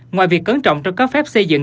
ngoài việc cấn trọng cho các phép xây dựng